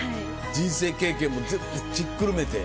人生経験も全部ひっくるめて。